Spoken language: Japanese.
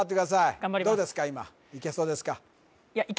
頑張りますどうですか今いけそうですか？